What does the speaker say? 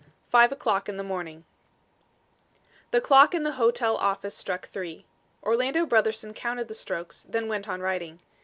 XLI. FIVE O'CLOCK IN THE MORNING The clock in the hotel office struck three. Orlando Brotherson counted the strokes; then went on writing.